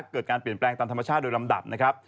เกิดการเปลี่ยนแปลงตามธรรมชาติโดยลำดับนะครับ